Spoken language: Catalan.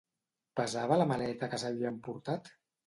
Pesava la maleta que s'havia emportat?